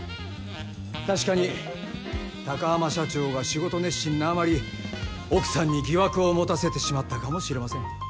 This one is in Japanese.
確かに高濱社長が仕事熱心なあまり奥さんに疑惑を持たせてしまったかもしれません。